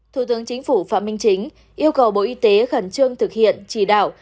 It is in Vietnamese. thủ tướng chính phủ phạm minh chính yêu cầu bộ y tế khẩn trương thực hiện chỉ đạo